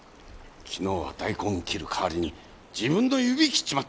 昨日は大根を切る代わりに自分の指切っちまったね。